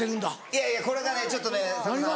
いやいやこれがちょっとねさんまさん